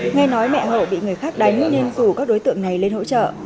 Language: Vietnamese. nghe nói mẹ hậu bị người khác đánh nên rủ các đối tượng này lên hỗ trợ